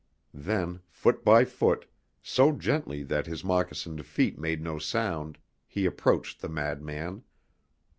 Then, foot by foot, so gently that his moccasined feet made no sound, he approached the madman.